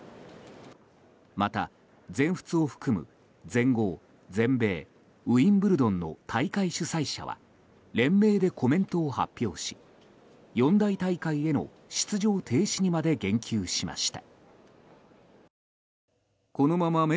また、全仏を含む全豪、全米ウィンブルドンの大会主催者は連名でコメントを発表し四大大会への出場停止にまで言及しました。